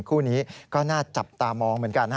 คู่นี้ก็น่าจับตามองเหมือนกัน